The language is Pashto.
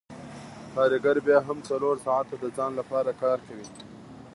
کارګر بیا هم څلور ساعته د ځان لپاره کار کوي